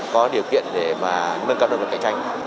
có điều kiện để mà nâng cao được cạnh tranh